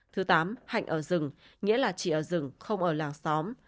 thứ tám hạnh ở rừng nghĩa là chỉ ở rừng không ở làng xóm